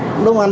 đúng không anh